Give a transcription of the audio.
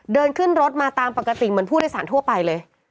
เดินขึ้นรถมาตามปกติเหมือนผู้โดยสารทั่วไปเลย